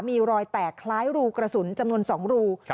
มีรอยแตกคล้ายรูกระสุนจำนวน๒รู